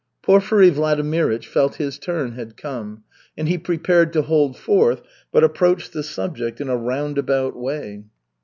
Porfiry Vladimirych felt his turn had come, and he prepared to hold forth, but approached the subject in a roundabout way.